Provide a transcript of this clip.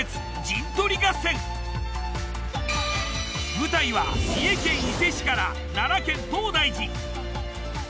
舞台は三重県伊勢市から奈良県東大寺。